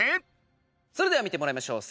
それでは見てもらいましょう。